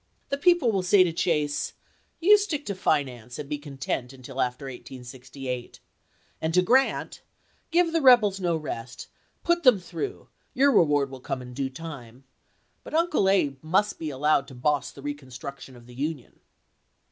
.. The people will say to Chase, 'You stick to finance, and be content until after 1868'; and to G rant, ' Give the rebels no rest ; put them through ; your reward will come in due time '; but Uncle Abe must be allowed to boss the reconstruction of the Union."